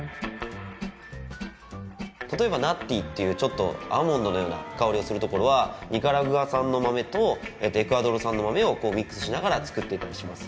例えばナッティーというちょっとアーモンドのような香りがするところはニカラグア産の豆とエクアドル産の豆をミックスしながら作っていたりします。